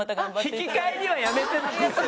引き換えにはやめて！